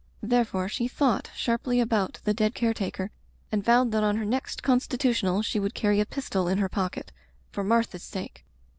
Therefore she thought sharply about the dead care taker and vowed that on her next constitutional she would carry a pistol in her pocket — for Martha's sake.